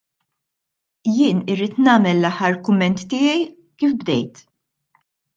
Jien irrid nagħmel l-aħħar kumment tiegħi kif bdejt.